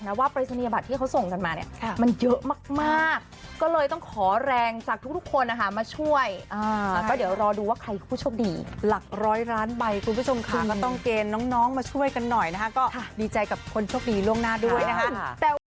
ร้านใบคุณผู้ชมค่ะคุณมาต้องเกณฑ์น้องมาช่วยกันหน่อยนะฮะก็ดีใจกับคนโชคดีล่วงหน้าด้วยนะฮะ